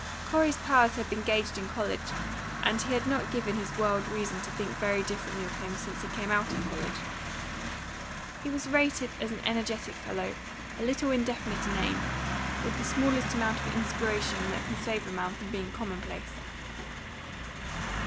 Corey's powers had been gauged in college, and he had not given his world reason to think very differently of him since he came out of college. He was rated as an energetic fellow, a little indefinite in aim, with the smallest amount of inspiration that can save a man from being commonplace.